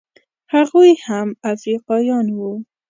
هغوی هم افریقایان وو.